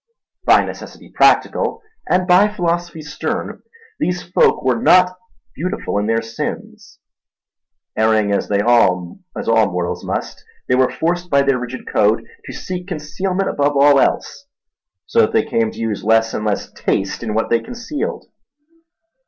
By necessity practical and by philosophy stern, these folk were not beautiful in their sins. Erring as all mortals must, they were forced by their rigid code to seek concealment above all else; so that they came to use less and less taste in what they concealed.